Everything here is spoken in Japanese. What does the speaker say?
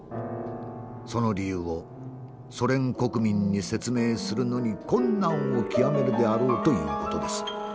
その理由をソ連国民に説明するのに困難を極めるであろうという事です。